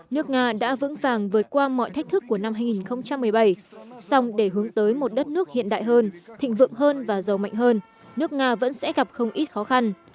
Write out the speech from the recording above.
nước nga đã vững vàng vượt qua mọi thách thức của năm hai nghìn một mươi bảy xong để hướng tới một đất nước hiện đại hơn thịnh vượng hơn và giàu mạnh hơn nước nga vẫn sẽ gặp không ít khó khăn